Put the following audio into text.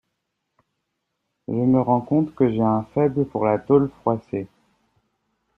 Je me rends compte que j’ai un faible pour la tôle froissée.